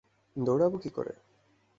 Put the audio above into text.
দৌড়াবো কী করে!